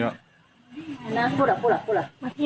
แต่ว่าเธอ